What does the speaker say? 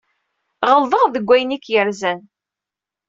Ɣelḍeɣ deg wayen ay k-yerzan.